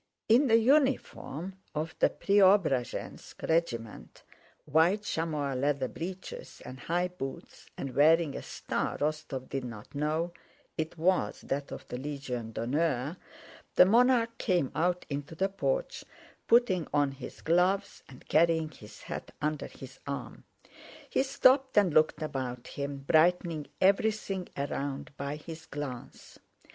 In the uniform of the Preobrazhénsk regiment—white chamois leather breeches and high boots—and wearing a star Rostóv did not know (it was that of the Légion d'honneur), the monarch came out into the porch, putting on his gloves and carrying his hat under his arm. He stopped and looked about him, brightening everything around by his glance.